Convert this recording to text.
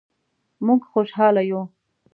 مونږ خوشحاله یو